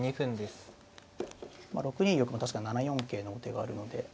６二玉も確かに７四桂の王手があるので。